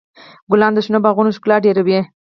ګلان د شنو باغونو ښکلا ډېروي.